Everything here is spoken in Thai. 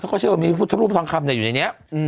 เขาก็เชื่อว่ามีพระพุทธรูปทองคำเนี่ยอยู่ในนี้อืม